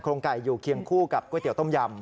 ไก่อยู่เคียงคู่กับก๋วยเตี๋ต้มยำ